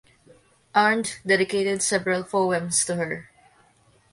Arndt dedicated several poems to her.